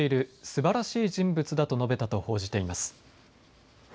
すばらしい人物だと述べたと報じています。